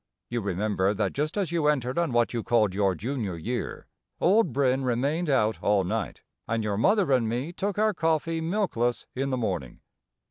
You remember that just as you entered on what you called your junior year, old Brin remained out all night, and your mother and me took our coffee milkless in the morning.